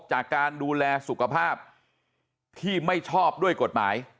จากการดูแลสุขภาพที่ไม่ชอบด้วยกฎหมาย